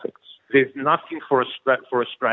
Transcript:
jadi tidak ada yang harus dikhawatirkan